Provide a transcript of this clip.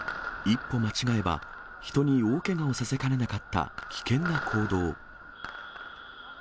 一歩間違えば、人に大けがをさせかねなかった危険な行動。